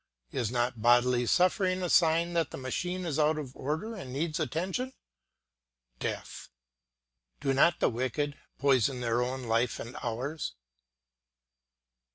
Is not bodily suffering a sign that the machine is out of order and needs attention? Death.... Do not the wicked poison their own life and ours?